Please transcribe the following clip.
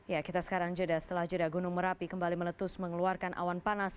ya kita sekarang jeda setelah jeda gunung merapi kembali meletus mengeluarkan awan panas